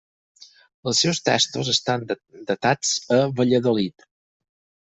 Els seus textos estan datats a Valladolid.